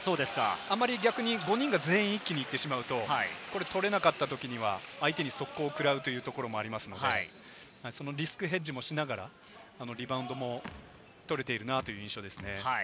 あまり逆に５人が全員一気に行ってしまうと、取れなかったときには相手に速攻を食らうというところもありますので、そのリスクヘッジもしながら、リバウンドも取れているなという印象ですね。